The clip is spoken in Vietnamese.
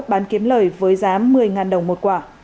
bán kiếm lời với giá một mươi đồng một quả